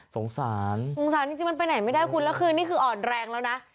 สงสารสงสารจริงมันไปไหนไม่ได้คุณแล้วคือนี่คืออ่อนแรงแล้วนะ